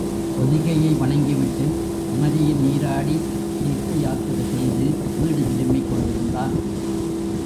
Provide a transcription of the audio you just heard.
பொதிகையை வணங்கிவிட்டுக் குமரியில் நீராடித் தீர்த்த யாத்திரை செய்து வீடு திரும்பிக் கொண்டிருந்தான்.